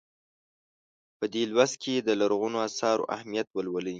په دې لوست کې د لرغونو اثارو اهمیت ولولئ.